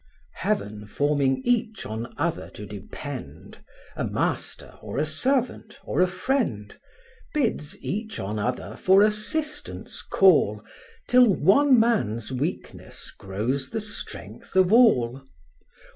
Heaven forming each on other to depend, A master, or a servant, or a friend, Bids each on other for assistance call, Till one man's weakness grows the strength of all.